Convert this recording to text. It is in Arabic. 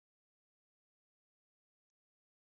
يستحقّ الأطفال الحبّ و الحماية من طرف أمّهاتهم.